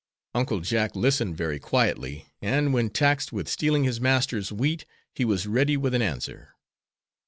Uncle Jack listened very quietly, and when taxed with stealing his master's wheat he was ready with an answer.